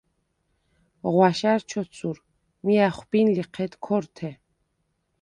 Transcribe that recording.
ღვაშა̈რ ჩოცურ, მი ა̈ხვბინ ლიჴედ ქორთე.